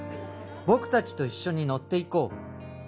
「僕達と一緒に乗っていこう」